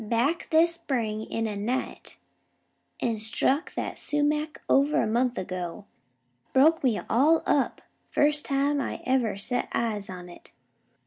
Back this spring in a night, an' struck that sumac over a month ago. Broke me all up first time I ever set eyes on it.